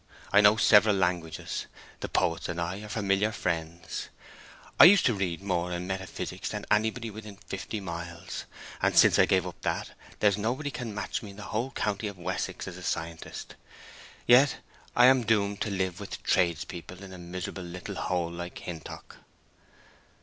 I know several languages; the poets and I are familiar friends; I used to read more in metaphysics than anybody within fifty miles; and since I gave that up there's nobody can match me in the whole county of Wessex as a scientist. Yet I an doomed to live with tradespeople in a miserable little hole like Hintock!"